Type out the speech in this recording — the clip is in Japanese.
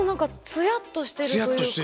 ツヤっとしてる。